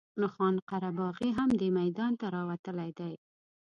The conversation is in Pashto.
نو خان قره باغي هم دې میدان ته راوتلی دی.